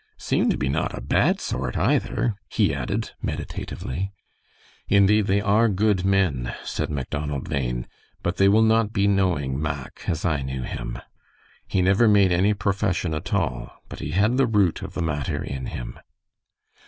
Seem to be not a bad sort, either," he added, meditatively. "Indeed, they are good men," said Macdonald Bhain, "but they will not be knowing Mack as I knew him. He never made any profession at all, but he had the root of the matter in him."